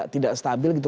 tidak stabil gitu